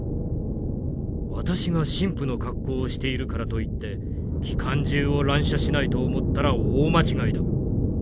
私が神父の格好をしているからといって機関銃を乱射しないと思ったら大間違いだ。